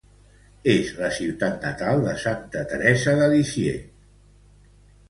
És la ciutat natal de Santa Teresa de Lisieux.